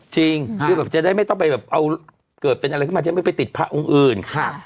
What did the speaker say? จริงคือแบบจะได้ไม่ต้องไปแบบเอาเกิดเป็นอะไรขึ้นมาจะไม่ไปติดพระองค์อื่น